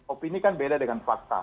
opini kan beda dengan fakta